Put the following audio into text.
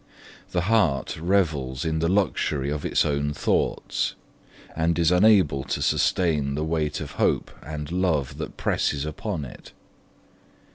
The heart revels in the luxury of its own thoughts, and is unable to sustain the weight of hope and love that presses upon it.